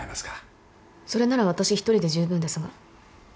それなら私一人で十分ですが。